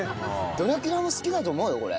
ドラキュラも好きだと思うよこれ。